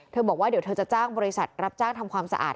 บอกว่าเดี๋ยวเธอจะจ้างบริษัทรับจ้างทำความสะอาด